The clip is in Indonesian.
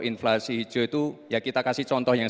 inflasi hijau itu ya kita kasih contoh yang